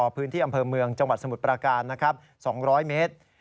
พื้นที่อำเภอเมืองจังหวัดสมุทรประการนะครับ๒๐๐เมตร